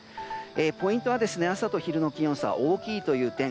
ポイントは、朝と昼の気温差が大きいという点。